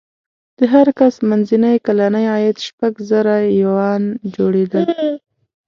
د هر کس منځنی کلنی عاید شپږ زره یوان جوړېدل.